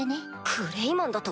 クレイマンだと？